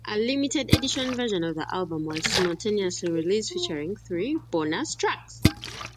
A Limited Edition version of the album was simultaneously released featuring three bonus tracks.